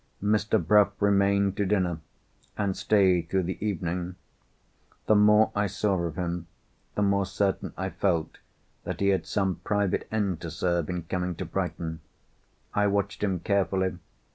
Mr. Bruff remained to dinner, and stayed through the evening. The more I saw of him, the more certain I felt that he had some private end to serve in coming to Brighton. I watched him carefully.